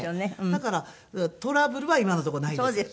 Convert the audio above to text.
だからトラブルは今のところないです。